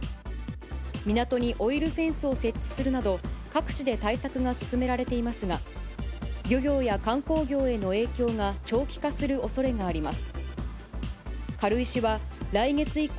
港にオイルフェンスを設置するなど、各地で対策が進められていますが、漁業や観光業への影響が長期化するおそれがあります。